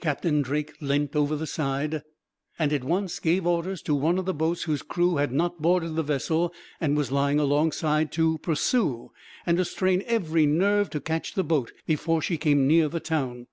Captain Drake leant over the side, and at once gave orders to one of the boats whose crew had not boarded the vessel, and was lying alongside, to pursue; and to strain every nerve to catch the boat, before she came near the town.